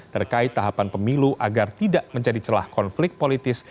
terkait tahapan pemilu agar tidak menjadi celah konflik politis